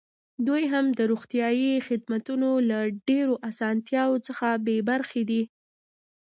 دوی هم د روغتیايي خدمتونو له ډېرو اسانتیاوو څخه بې برخې دي.